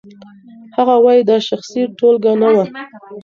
هغه وايي دا شخصي ټولګه نه وه.